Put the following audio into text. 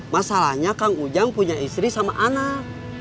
masalahnya kang ujang punya istri sama anak